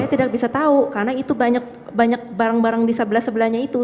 saya tidak bisa tahu karena itu banyak barang barang di sebelah sebelahnya itu